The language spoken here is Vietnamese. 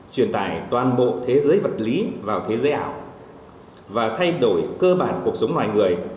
truyền tải toàn bộ thế giới vật lý vào thế giới ảo và thay đổi cơ bản cuộc sống ngoài người